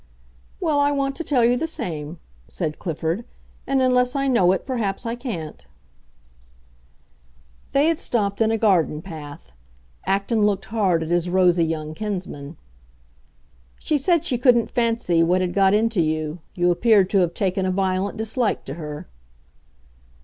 "Well, I want to tell you the same," said Clifford; "and unless I know it perhaps I can't." They had stopped in a garden path; Acton looked hard at his rosy young kinsman. "She said she couldn't fancy what had got into you; you appeared to have taken a violent dislike to her."